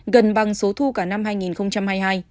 gần bằng số thu cả năm hai nghìn hai mươi hai